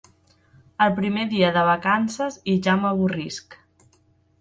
El primer dia de vacances i ja m'avorrisc.